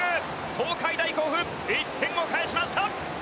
東海大甲府、１点を返しました。